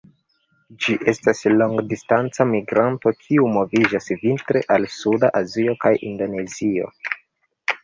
Ĝi estas longdistanca migranto kiu moviĝas vintre al suda Azio kaj Indonezio.